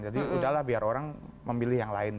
jadi udahlah biar orang memilih yang lain